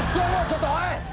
ちょっとおい！